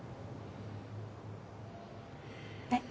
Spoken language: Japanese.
えっ？